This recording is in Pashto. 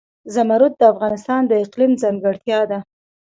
زمرد د افغانستان د اقلیم ځانګړتیا ده.